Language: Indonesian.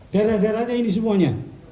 daerah daerahnya ini semuanya